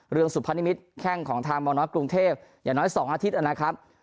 เรืองสุภรณมิตรแข้งของทางบนกรุงเทพฯอย่างน้อยสองอาทิตย์อ่ะนะครับ